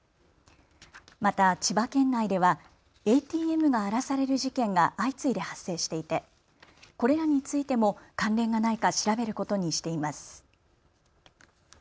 また千葉県内ではＡＴＭが荒らされる事件が相次いで発生していてこれらについても関連がないか調べることにしています。